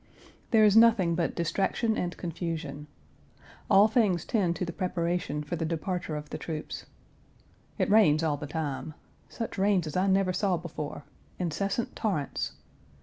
There is nothing but distraction and confusion. All things tend to the preparation for the departure of the troops. It rains all the time, such rains as I never saw before; incessant torrents.